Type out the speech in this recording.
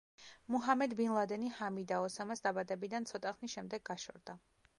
მუჰამედ ბინ ლადენი ჰამიდა ოსამას დაბადებიდან ცოტა ხნის შემდეგ გაშორდა.